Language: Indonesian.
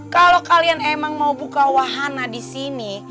kalo kalian emang mau buka wahana disini